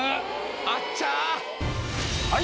・あっちゃ！